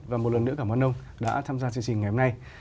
và một lần nữa cảm ơn ông đã tham gia chương trình ngày hôm nay